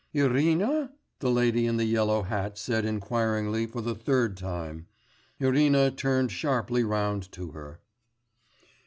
'Irène?' the lady in the yellow hat said inquiringly for the third time. Irina turned sharply round to her.